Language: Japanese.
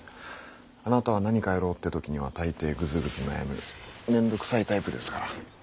あなたは何かやろうって時には大抵グズグズ悩む面倒くさいタイプですから。